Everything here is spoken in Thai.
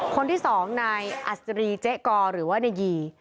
คนที่สองนายอัศรีเจ๊กอหรือว่านายี